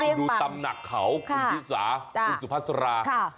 เราก็ดูตำหนักเขาคุณพิสาคุณสุภาษณ์สรา